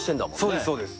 そうですそうです。